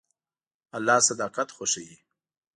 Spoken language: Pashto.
الله صداقت خوښوي.